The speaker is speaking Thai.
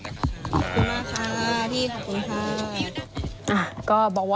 ขอบคุณมากค่ะพี่ขอบคุณค่ะ